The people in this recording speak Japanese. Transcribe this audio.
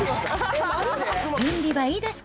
準備はいいですか？